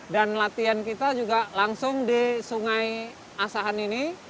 dan latihan kita juga langsung di sungai asahan ini